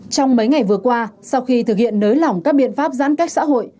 trong mấy ngày vừa qua sau khi thực hiện nới lỏng các biện pháp giãn cách xã hội